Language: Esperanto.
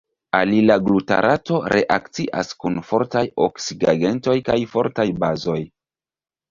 Alila glutarato reakcias kun fortaj oksidigagentoj kaj fortaj bazoj.